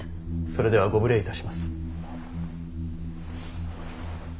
それではご無礼いたします。